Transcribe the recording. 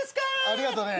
ありがとね。